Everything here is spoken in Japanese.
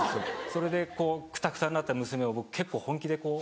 それでこうくたくたになった娘を僕結構本気でこう。